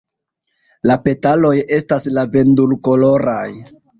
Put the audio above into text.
La petaloj estas lavendulkoloraj.